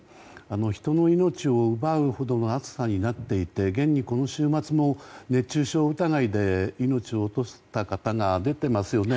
人の命を奪うほどの暑さになっていて現にこの週末も、熱中症疑いで命を落とした方が出ていますよね。